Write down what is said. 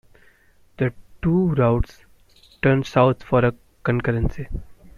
The two routes turn south for a concurrency.